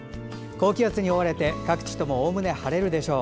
高気圧に覆われて各地ともおおむね晴れるでしょう。